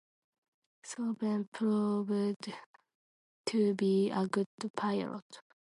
Soren proves to be a good pilot.